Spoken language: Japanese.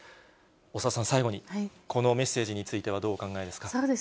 大沢さん、最後にこのメッセージについてはどうお考えですか。